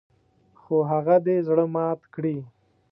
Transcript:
خو هغه دې زړه مات کړي .